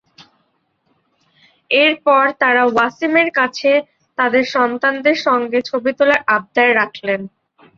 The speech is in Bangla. এরপর তাঁরা ওয়াসিমের কাছে তাঁদের সন্তানদের সঙ্গে ছবি তোলার আবদার রাখলেন।